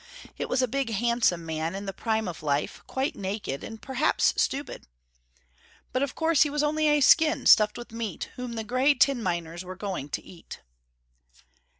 It was a big handsome man in the prime of life, quite naked and perhaps stupid. But of course he was only a skin stuffed with meat, whom the grey tin miners were going to eat.